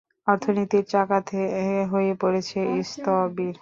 অর্থনীতির চাকা হয়ে পড়েছে স্থবির।